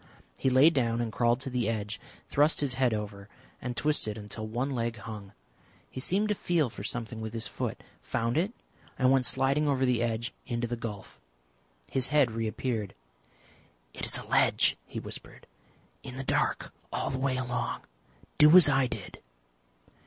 He lay down and crawled to the edge, thrust his head over and twisted until one leg hung. He seemed to feel for something with his foot, found it, and went sliding over the edge into the gulf. His head reappeared. "It is a ledge," he whispered. "In the dark all the way along. Do as I did."